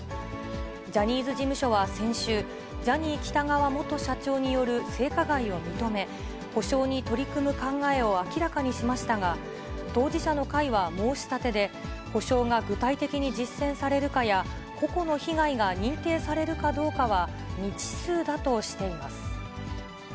ジャニーズ事務所は先週、ジャニー喜多川元社長による性加害を認め、補償に取り組む考えを明らかにしましたが、当事者の会は申し立てで、補償が具体的に実践されるかや、個々の被害が認定されるかどうかは未知数だとしています。